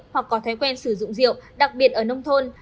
hoặc có thói quen sử dụng rượu đặc biệt ở nông thôn